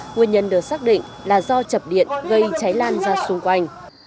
nguyên nhân được xác định là do chập điện gây cháy lan ra xung quanh